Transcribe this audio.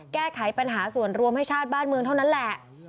แก้ไขปัญหาส่วนรวมให้ชาติบ้านเมืองเท่านั้นแหละ